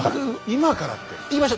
今からって。